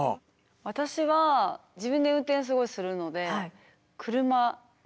私は自分で運転すごいするので車ですかね。